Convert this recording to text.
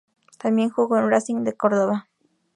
Tambien jugo en Racing de Cordoba.